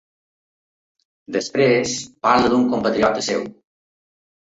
Després parla d'un compatriota seu.